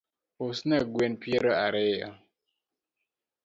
Usna gwen peiro ariyo